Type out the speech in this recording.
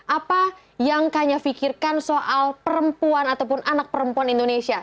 apa yang kanya fikirkan soal perempuan ataupun anak perempuan indonesia